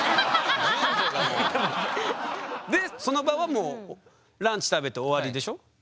でその場はもうランチ食べて終わりでしょ？